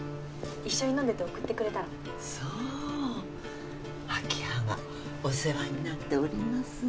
一緒に飲んでて送ってくれたのそう明葉がお世話になっております